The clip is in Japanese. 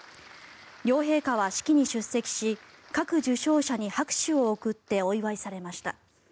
両陛下は式に出席し各受賞者に拍手を送ってお祝いされました。